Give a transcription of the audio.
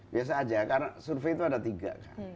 biasa saja karena survei itu ada tiga